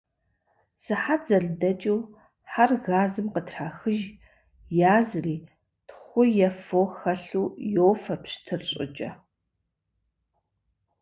Сыхьэт зэрыдэкӏыу, хьэр газым къытрахыж, язри, тхъу е фо хэлъу йофэ пщтыр щӏыкӏэ.